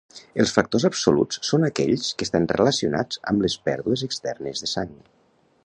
Els factors absoluts són aquells que estan relacionats amb les pèrdues externes de sang.